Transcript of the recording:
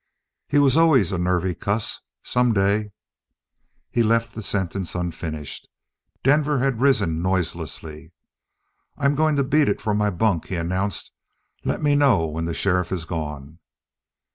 "He was always a nervy cuss. Someday " He left the sentence unfinished. Denver had risen noiselessly. "I'm going to beat it for my bunk," he announced. "Let me know when the sheriff is gone."